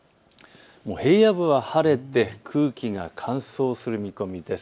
平野部は晴れて空気が乾燥する見込みです。